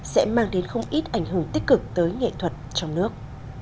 sẽ mang đến không ít ảnh hưởng tích cực tới nghệ thuật trong nước